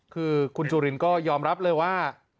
คือคุณจุลินก็ยอมรับเลยว่า